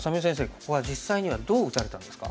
ここは実際にはどう打たれたんですか？